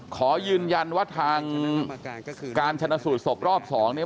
ขอยืนยันว่าทางการชนะสูตรศพรอบ๒เนี่ย